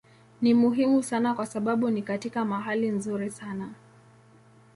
Ni muhimu sana kwa sababu ni katika mahali nzuri sana.